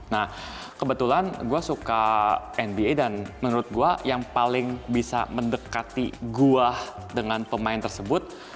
nah kebetulan gue suka nba dan menurut gue yang paling bisa mendekati gue dengan pemain tersebut